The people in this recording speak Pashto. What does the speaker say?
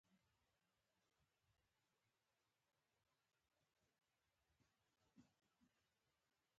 په دې طریقه کې د بستر د خاورې مقاومت معلومیږي